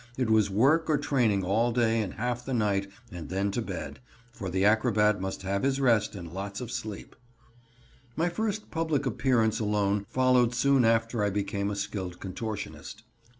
It was work or training all day and half the night and then to bed, for the acrobat must have his rest and lots of sleep. My first public appearance alone followed soon after I became a skilled contortionist.